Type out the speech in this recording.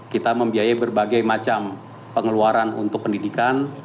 kita membiayai berbagai macam pengeluaran untuk pendidikan